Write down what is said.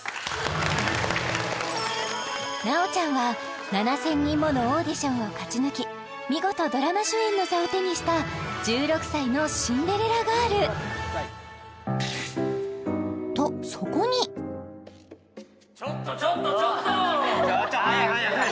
奈央ちゃんは７０００人ものオーディションを勝ち抜き見事ドラマ主演の座を手にした１６歳のシンデレラガールとそこにちょ早い早い！